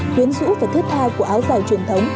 quyến rũ và thiết tha của áo giải truyền thống